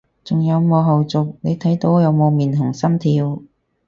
仲有冇後續，你睇到有冇面紅心跳？